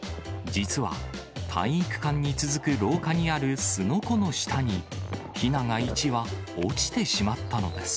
実は、体育館に続く廊下にあるすのこの下に、ひなが１羽、落ちてしまったのです。